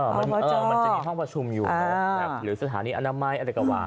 มันจะมีห้องประชุมอยู่หรือสถานีอนามัยอะไรก็ว่า